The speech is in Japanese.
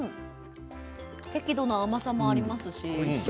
適度な甘さもありますし